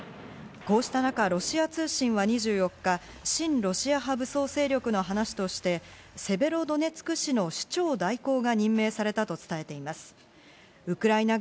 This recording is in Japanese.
こうした中、ロシア通信は２４日、親ロシア派武装勢力の話として、セベロドネツク氏の市長代行が任命されたと伝えています。